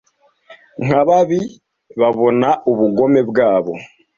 nkababi babona ubugome bwabo